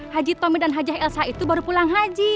haji tommy dan hajah elsa itu baru pulang haji